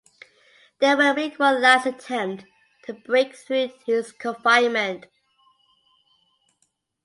They will make one last attempt to break through this confinement.